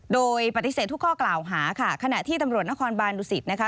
โดยปฏิเสธทุกข้อกล่าวหาค่ะขณะที่ตำรวจนครบานดุสิตนะคะ